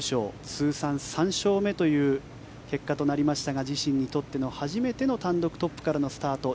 通算３勝目という結果となりましたが自身にとっての初めて単独トップからのスタート。